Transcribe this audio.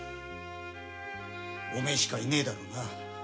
おめえしかいねえだろうな。